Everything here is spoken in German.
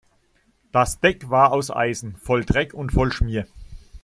Das Deck war aus Eisen, voll Dreck und voll Schmier.